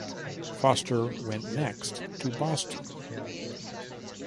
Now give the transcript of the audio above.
Foster went next to Boston.